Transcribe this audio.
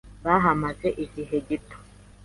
Bahamaze igihe gito.